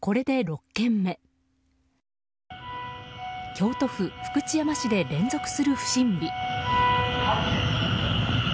京都府福知山市で連続する不審火。